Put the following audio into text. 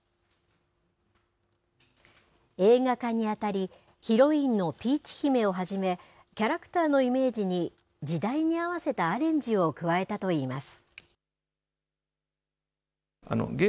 映画化に当たり、ヒロインのピーチ姫をはじめ、キャラクターのイメージに、時代に合わせたアレンジを加えたといいます。